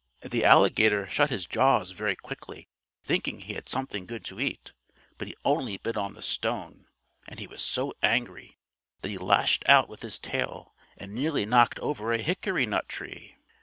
The alligator shut his jaws very quickly, thinking he had something good to eat, but he only bit on the stone, and he was so angry that he lashed out with his tail and nearly knocked over a hickory nut tree.